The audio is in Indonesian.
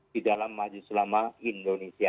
di dalam majelis selama indonesia